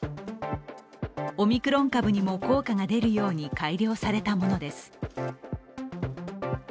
オミクロン株にも効果が出るように改良されたものです。